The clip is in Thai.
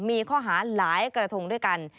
มีข้อหาหลายกระทงด้วยกัน